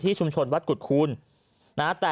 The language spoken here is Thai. ชุมชนวัดกุฎคูณนะฮะ